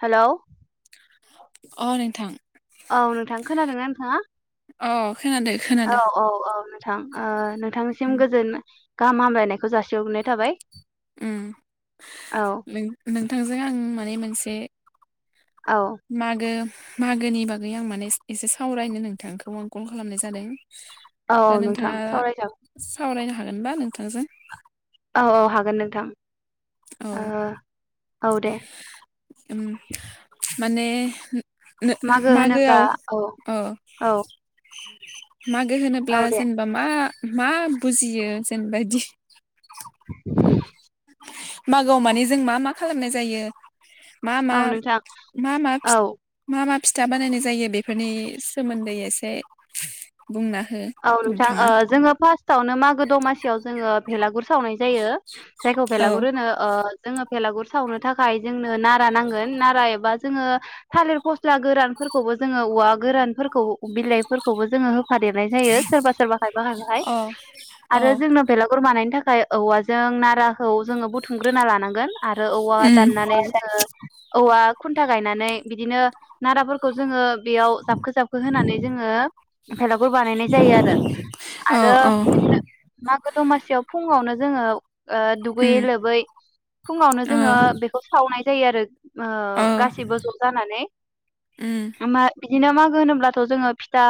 हेल' अ नोंथां औ नोंथां खोनादों ना नोंथाङा अ खोनादो खोनादो औ औ औ नोंथां ओ उम नोंथांनिसिम गोजोन गाहाम हामलायनायखौ जासिग्रनाय थाबाय उम औ नोंथांजों आं माने मोनसे औ से मागो मागोनि बागै आं माने एसे सावरायनो नोंथांखौ आं कल खालामनाय जादों दा औ नोंथाङा नोंथां सावरायजागोन सावरायनो हागोनबा नोंथांजों औ औ हागोन नोंथां औ औ दे उम माने नो- मागो होनोब्ला मागोआव औ अ औ मागो होनोब्ला औ दे जेनेबा मा मा बुजियो जेनबायदि [inaudible] मागोआव माने जों मा मा खालामनाय जायो मा मा औ नोंथां मा मा औ मा फिथा बानायनाय जायो बेफोरनि सोमोन्दै एसे बुंना हो औ नोंथां नोंथाङा जोङो फार्स्ट फार्स्टआवनो मागो दमासियाव जोङो भेलागुर सावनाय जायो जायखौ औ बेलागुर होनो जोो बेलागुर सावनो थाखाय जोंनो नारा नांगोन नारा एबा जोङो थालिर फस्ला गोरानफोरखौबो जोङो औवा गोरानफोरखौ बिलाइफोरखौबो जोङो होफादों जायो सोरबा सोरबाहाय बाहाय बाहाय अ अ आरो जोंनो बेलागुर मानायनि थाखाय औवाजों नाराखौ जोङो बुथुमग्रोना लानांगोन आरो औवा उम दाननानै जोङो औवा खुन्था गायनानै बिदिनो नाराफोरखौ जोङो बेयाव जाबखो जाबखो होनानै जोङो बानायनाय जायोआरो अ आरो अ बिदिनो मागो दमासियाव फुङावनो जोङो ओ उम दुगैयै लोबै फुङावनो ओ जोङो बेखौ सावनाय जायोआरो ओ गासैबो ज' जानानै उम मा बिदिनो मागो होनोब्लाथ जोङो फिथा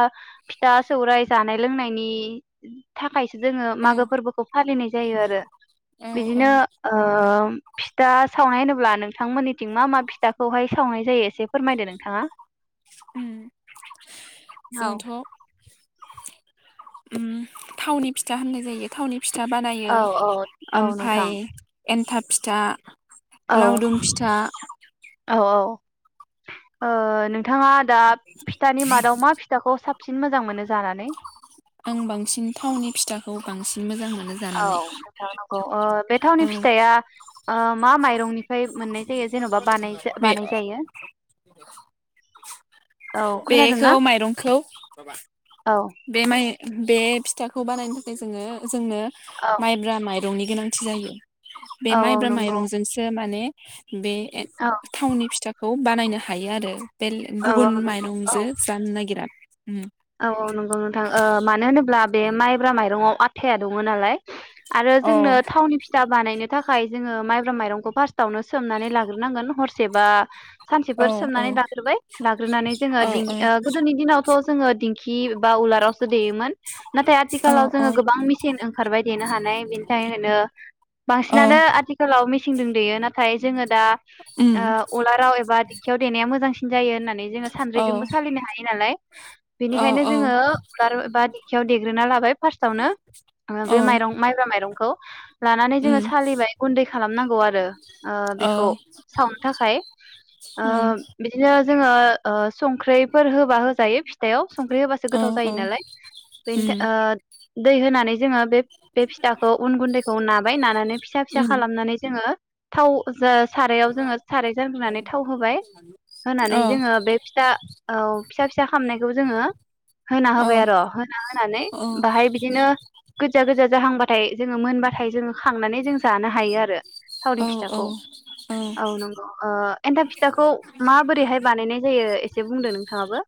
फिथा सौराय जानाय लोंनायनि थाखायसो जोङो औ मागो फोरबोखौ फालिनाय जायो आरो औ औ बिदिनो ओ फिथा सावनाय होनोब्ला नोंथांमोननिथिं मा मा फिथाखौहाय सावनाय जायो एसे फोरमायदो नोंथाङा ओ औ जोंथ ओ थावनि फिथा होननाय जायो थावनि फिथा बानायो औ औ औ ओमफाय नोंथां एन्थाब फि दा औ औ औ ओ नोंथाङा दा फिथानि मादाव मा फिथाखौ साफ साबसिन मोजां मोनो जानानै आं बांसिन थावनि फिथाखौ बांसिन मोजां मोनो औ जानानै नोंथां नंगौ ओ बे औ थावनि फिथाइया ओ मा माइरंनिफ्राय मोननाय जायो जेनबा बानाय बे बानाय जायो औ बेखौ खोनादोंना माइरंखौ औ बे माइ बे फिथाखौ बानायनो थाखाय जोङो जोंनो औ माइब्रा माइ रंनि गोनांथि जायो। बे औ औ माइब्रा नंगौ माइरंजोंसो माने बे एन औ थावनि फिथाखौ बानायनो हायो आरो। बेल औ गुबुन औ माइरंजो जानो नागिरा उम औऔ नंगौ नोंथां ओ मानो होनोब्ला बे माइब्रा माइरंआव आथाया दङ नालाय। आरो औ जोंनो थावनि फिथा बानायनो थाखाय जोङो माइब्रा माइरंखौ फार्स्टावनो सोमनानै लाग्रोनांगोन हरसेबा औ सानसेफोर औ सोमनानै लाग्रोबाय लाग्रोनानै जोङो औ दि ओ गोदोनि दिनावथ दिंखि बा उलाराव सो देयोमोन नाथाय औ आथिखालाव जोङो गोबां मेसिन ओंखारबाय देनो हानाय बेनि थाखायनो औ बांसिनानो आथिखालाव मेसिन दो देयो ना थाय जोङो दा ओ उम उलाराव एबा दिंखियाव देनाया मोजांसिन जायो होनना नै जोङो औ सानद्रिजोंबो सालिनो हायो नालाय औ बेनिखायनो औ जोङो उलार बादिं दिंखियाव देग्रोना लाबाय। फार्स्टआवनो ओ औ बे माइरं माइब्रा माइरंखौ। लानानै जोङो उम सालिबाय गुन्दै खालामनांगौ आरो ओ औ बेखौ सावनो थाखाय ओ उम बिदिनो जोङो ओ संख्रैफोर होबा होजायो। फिथायाव। संख्रि होबासो औ गोथाव जायो औ नालाय बेनिथ उम ओ दै होनानै जोङो बे बे फिथाखौ उन गुन्दैखौ नाबाय नानानै फिसा फिसा उम खालामनानै जोङो थाव जोस सारायाव जोङो साराय जांग्रोनानै थाव होबाय औ होनानै जोङो बे फिथा औ फिसा फिसा होनायखौ जोङो होना औ होबाय आर' होना होनानै बाहाय बिदिनो गोजा गोजा जाहांबाथाय जोङो मोनबाथाय जोङो खांनानै जों जानो हायो आरो। थावरि औ औ फिथाखौ औ नंगौ ओ एन्थाब फिथाखौ माबोरैहाय बानायनाय जायो एसे बुंदों नोंथाङाबो?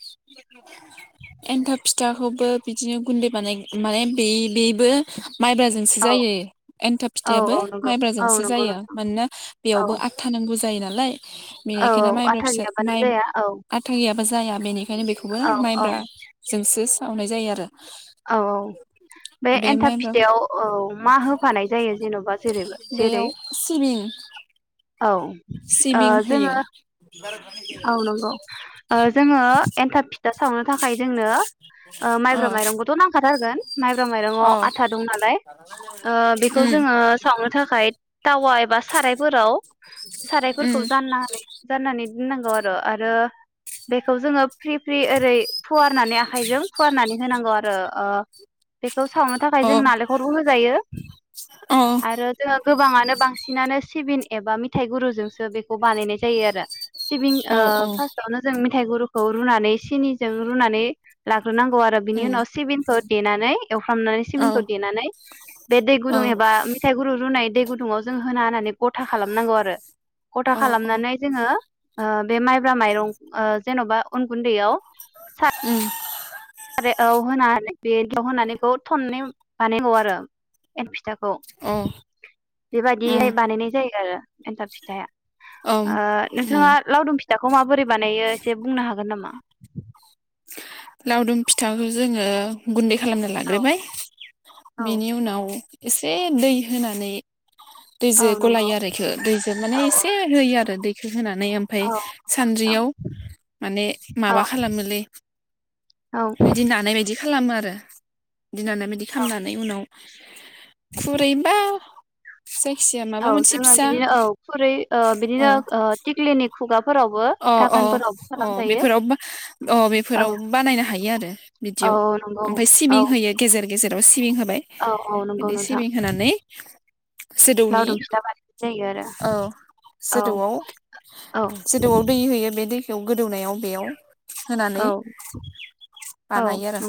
एन्थाब फिथाखौबो बिदिनो गुन्दै बानाय मानाय माने बे-बेबो माइब्राजोंसो औ जायो एन्थाब औ फिथायाबो औ नंगौ औ माइब्राजोंसो नंगौ जायो नोंथां मानोना औ बेयावबो आथथा नांगौ जायो ना लाय औ बेनिखायनो माइब्रा आथा फिसा गैयाबानो माइ जाया औ आथा गैयाबा जाया बेनिखायनो बेखौबो औ औ माइब्रा जोंसो सावनाय जायो आरो औ औ बे एन्थाब फिथायाव औ मा होफानाय जायो जेन'बा जेरैबो जेरै बेयाव सिबिं औ ओ सिबिं होयो जोङो औ नंगौ ओ जोङो एन्थाब फि था सावनो थाखाय जोंनो ओ अ माइब्रा माइरंखौथ' नांखाथार होगोन माइब्रा अ माइरंआव आथा दं नालाय ओ बेखौ उम जोङो सावनो थाखाय टावा बा सारायफोराव सारायफोरखौ उम जाननानै जाननानै नांगौ आरो आरो बेखौ जोङो फ्रि फ्रि ओरै फुवारनानै आखायजों फुवारनानै होनांगौ आरो खौ सावनो थाखाय अ जों नालेंखरबो होजायो अ आरो जोङो गोबाङानो बांसिनानो सिबिन एबा मिथाइ गुरुजोंसो बेखौ बानायनाय जायो आरो। सिबिं ओ अ फार्स्टावनो जों मेथाइ गुरु खौ रुनानै सिनिजों रुनानै ला ग्रोनांगौ आरो बिनि उम उनाव सिबिंखो देनानै एवफ्रामनानै अ सिबिंखौ देनानै [inaudible] बे दै अ गुदुं एबा मेथाइ गुरु रुनाय दै गुदुङाव जों होना होनानै गथा खालामनांगौ आरो गथा खालामनानै जोङो ओ बे माइब्रा माइरं ओ जेन'बा उन गुन्दैयाव उम। आरो औ होनानै बे ज' होनानैखौ [unintelligible] [unintelligible] आरो। [unintelligible] फिथाखौ बेबायदिहाय बानायनाय जायो आरो एन्थाब फिथाया अ उम ओम ओ उम नोंथाङा लावदुम [unintelligible] फिथाखौ माबोरै बानायो एसे बुंनो हागोन नामा? लावदुम फिथाखौ जोङो गुन्दै खालामना औ लाग्रोबाय औ बेनि उनाव एसे दै होनानै औ दैजो नंगौ गलायो आरो इखौ दैजो माने औ औ एसे होयो आरो दै होनानै ओमफ्राय औ नोंथां सानद्रियाव माने औ माबा खालामोलै औ बिदि नानायबायदि खालामो आरो। [unintelligible] औ खालामनानै उनाव [inaudible] खुरैबा जायखिजाया माबा औ मोनसे जोङो फिसा बिदिनो औ खुरै ओ अ बिदिनो टिकलिनि खुगा अ अ अ बेफोराव अ औ बेफोराव बानायनो हायो आरो औ बिदियाव नंगौ ओमफ्राय औ सिबिं होयो गेजेर गेजेर। ओ सिबिं हो औ औ नंगौ नोंथां जोदौनि लावदुम फिथा बानायनाय जायो औ आरो औ औ जौदुआव दै होयो बे दैखौ गोदौनायाव बेयाव होनानै औ औ बानायो आरो औ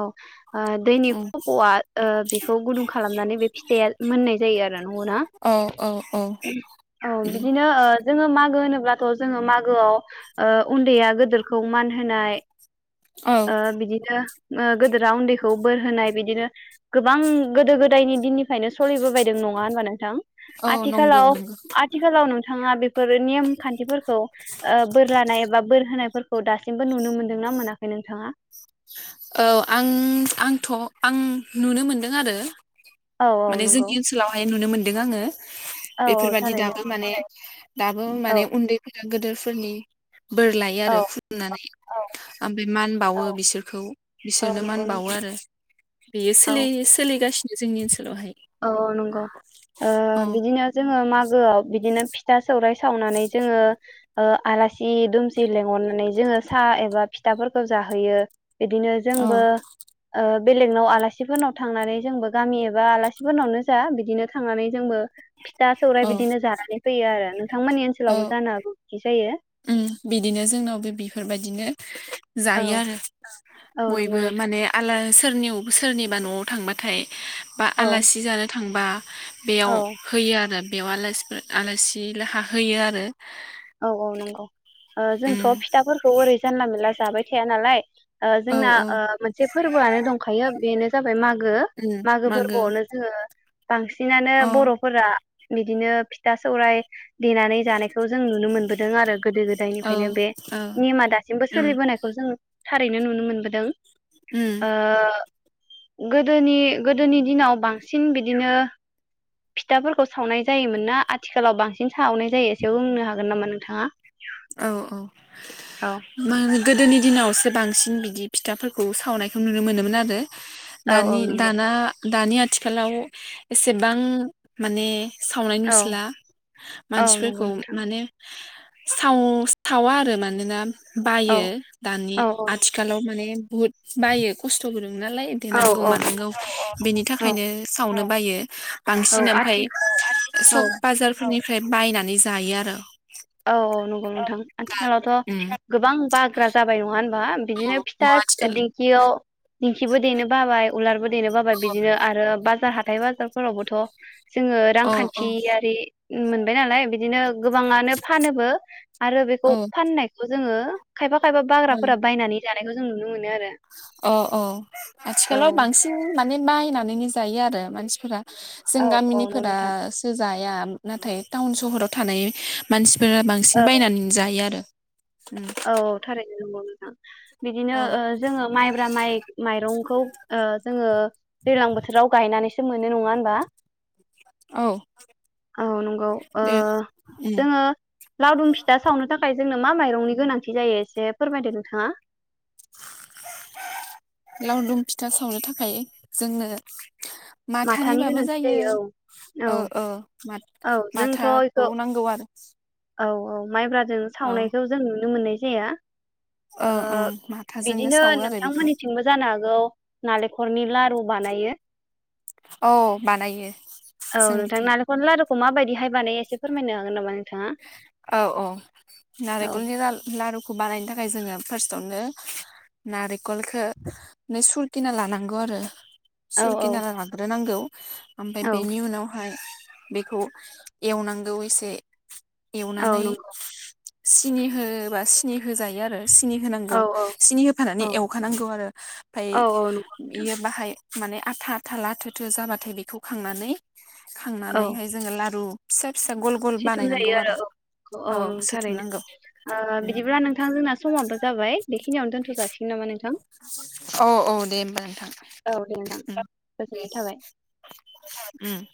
औ ओ दैनि उम खफ'आ ओ बेखौ गुदुं खालामनानै बे फिथाइया मोननाय जायो आरो। नंगौ ना औ औ औ औ बिदिनो ओ जोङो मागो होनोब्लाथ' जोङो मागोआव ओ उन्दैया गिदोर खौ मान होनाय औ ओ बिदिनो ओ गोदोरा उन्दैखौ बोर होनाय बिदिनो गोबां गोदो गोदायनि दिननिफ्रायनो सोलिबोबायदों नङा होनबा नोंथां। औ नंगौ आथिखालााव नंगौ आथिखालाव नु थाङा बे फोर नेम खान्थिफोरखौ ओ बोर लानाय एबा बोर होनायफोर खौ दासिमबो नुनो मोन्दोंना मोनाखै नोंथाङा? औ आं आंथ' आं नुनो मोनदों आरो। औ औ माने नंगौ जोंनि ओनसोलावहाय नुनो मोनदों आङो औ औ बेफोरबादि थारैनो दाबो माने दाबो औ माने उन्दैफोरा गोदोर फोरनि बोर लायो औ आरो खुलुमनानै औ ओमफ्राय मान औ बावो बिसोरखौ। औ बिसोरनो मान नंगौ बावो नोंथां आरो बेयो औ सोलि सोलिगासिनो जोंनि ओनसोल औ औ नंगौ ओ औ बिदिनो जोङो ओ मागोआव बिदिनो फिथा सौराय सावनानै जोङो ओ आलासि-दुमसि लेंहरनानै जौङो साहा एबा फिथाफोरखौ जाहोयो बिदिनो औ जोंबो ओ बेलेगनाव आलासिफोरनाव थांनानै जोंबो गामि एबा आलासिफोरनावनो जा बिदिनो थांनानै जोंबो फिथा सौरायाइ औ बिदिनो जानानै फैयो आरो नों थांमोननि ओनसोलावबो जानो हागौ बिदि जायो। उय बिदिनो जोंनावबो बिफोरबायदिनो। औ जायो आरो औ नंगौ बयबो नोंथां। माने आला सोरनियावबा सोरनिबा न'आव थांबाथाय बा औ आलासि जानो थांबा। बेयाव औ होयो आरो। बेयाव आलासिफोर आलासिलाहा होयो आरो। औ औ नंगौ। ओ जोंथ' उम फिथाफोरखौ ओरै जानला मानला जाबाय थाया नालाय। ओ औ जोंना औ ओ मोनसे फोरबोआनो दंखायो बेनो जाबाय मागो मागो फोरबोआवनो जोंङो बांसिनानो अ बर'फोरा बिदिनो फिथा सौराय देनानै जानायखौ जों नुनो मोनबोदों आरो गोदो औ गोदायनिफ्रायनो बे औ नेमा दासिमबो उम सोलिबोनायखौ जों थारैनो नुनो मोनबोदों। उम ओ गोदोनि गोदोनि दिनाव बांसिन बिदिनो फिथाफोरखौ सावनाय जायोमोन ना आथिखालाव बांसिन सावनाय जायो एसे बुंनो हागोन नामा नोंथाङा? औ औ औ मागो गोदोनि दिनावसो बांसिन बिदि फिथाफोरखौ सावनायखौ नुनो मोनोमोन आरो। औ औ दानि नंगौ दाना दानि आथिखालाव एसेबां माने सावनाय औ नुसोला औ नंगौ मानसिफोरखौ नोंथां माने साव सावा आरो मानोना औ बायो दानि औ आथिखालाव माने बुहुद बायो खस्थबो दङ नालाय औ देनांगौ औ नंगौ मानांगौ बेनि औ थाखायनो सावनो बायो। औ बांसिन ओमफाय आथिं औ सक बाजारफोरनि फ्राय बायनानै जायो आरो। औ औ नंगौ नोंथां आथिखालावथ' उम गोबां बाग्रा जाबाय नङा होन बा बिदिनो फिथा आथिखाल दिंखिआव दिंखिबो देनो बाबाय उवालबो देनो बाबा बिदिनो आरो बाजार हाथ थाइ बाजारफोरावबोथ' जोंङो अ औ रांखान्थियारि मोनबाय नालाय बिदिनो गोबाङा फानोबो आरो बेखौ औ फाननायखौ जोङो खायफा खायफा बाग्राफोरा बायनानै जानायखौ जों नुनो मोन अ' अ' औ आथिखालाव बांसिन मा ने बायनानैनो जायो आरो मानसिफोरा। जों औ औ नंगौ नोंथां गामिनिफोरासो जा निया नाथाय टाउन सहराव थानाय मानसि फोरा बांसिन औ बायनानै जायो आरो। उम औ औ थारै नोंगौ नोंथां। बिदिनो औ ओ जोङो माइब्रा माइ माइरंखौ ओ जोङो दैलां बोथोराव गायनानैस जों मोनो नङा होनबा? औ औ नंगौ ओ बे उम जोङो लाउदुम फिथा सावनो थाख खाय जोंनो मा माइरंनि गोनांथि जायो एसे फोरमायदो नोंथाङा। लावदुम फिथा सावनो थाखाय जोंनो माथानि माथानिबाबो गोनांथि जायो औ औ ओ ओ औ माथ जोंथ' बेखौ माथाखौ नांगौ आरो। औ औ माइब्रा जों औ सावनायखौ जों नुनो मोननाय जाया। ओ ओं माथाजोंनो बिदिनो सावो आरो बेखौ नोंथांमोननिथिंबो जानो हागौ नालेंखरनि लारु बानायो औ बानायो औ नोंथां जोंनिथिं नालेखरनि लारु खौ मा बायदिहाय औ औ औ नारेखलनि ला लारु बानायनो थाखाय जोङो फार्स्टआवनो नारे कलखो [unintelligible] खिना लानांगौ आरो। औ सुरकिना लाग्रो नांगौ। ओमफ्राय औ बेनि उनावहाय बेखौ एवनांगौ एसे औ एवनानै नंगौ सिनि होबा सिनि होजायो आरो। सिनि औ होनांगौ औ सिनि औ होफानानै एवखानांगौ आरो ओमफाय औ नंगौ नोंथां इयो बाहाय माने आथा आथा लाथोथो जाबाथाय बेखौ खांनानै औ खांनानैहाय जोङो लारु फिसा फिसा गल गल सिथुम बानायनांगौ जायो आरो औ औ औ नंथारैनो ओ बिदिब्ला नोंथां जोंना समाबो जाबाय बेखि औ औ दे होमबा नोंथां औ दे नोंथां उम दे गोजोननाय थाबाय उम।